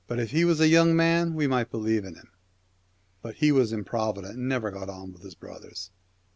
If he was a young man we might believe in him.' But he was improvident, and never got on with his brothers.